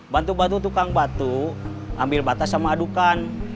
bantu bantu tukang batu ambil batas sama adukan